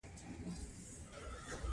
که د دې ځمکې متوسطه ګټه پنځه ویشت سلنه وي